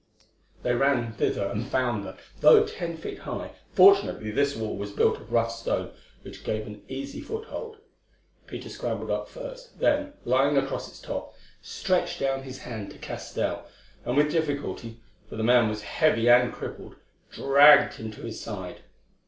They ran thither and found that, though ten feet high, fortunately this wall was built of rough stone, which gave an easy foothold. Peter scrambled up first, then, lying across its top, stretched down his hand to Castell, and with difficulty—for the man was heavy and crippled—dragged him to his side.